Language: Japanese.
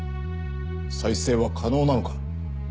再生は可能なのか？